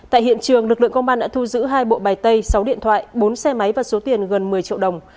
tại hiện trường lực lượng công an đã thu giữ hai bộ bài tay sáu điện thoại bốn xe máy và số tiền gần một mươi triệu đồng